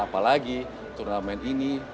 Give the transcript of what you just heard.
apalagi turnamen ini